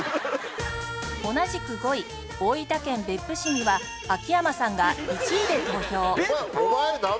同じく５位大分県別府市には秋山さんが１位で投票